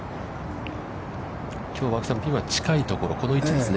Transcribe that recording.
きょうは青木さん、ピンは近いところ、この位置ですね。